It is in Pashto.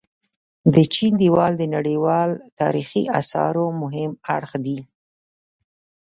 د چين ديوال د نړيوال تاريخي اثارو مهم اړخ دي.